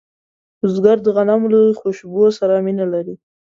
بزګر د غنمو له خوشبو سره مینه لري